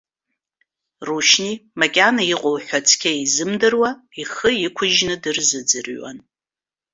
Рушьни, макьана иҟоу ҳәа цқьа изымдыруа, ихы иқәыжьны дырзыӡырҩуан.